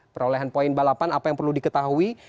perolehan poin balapan apa yang perlu diketahui